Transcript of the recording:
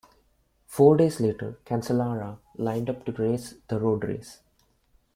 Four days later, Cancellara lined up to race the road race.